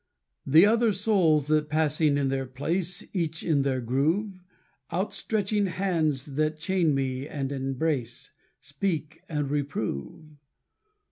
The other souls that, passing in their place, Each in their groove; Out stretching hands that chain me and embrace, Speak and reprove.